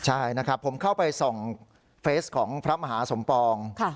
ใช่นะครับผมเข้าไปส่องเฟสของพระมหาสมปอง